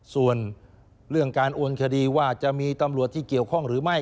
ส่วนเรื่องการโอนคดีว่าจะมีตำรวจที่เกี่ยวข้องหรือไม่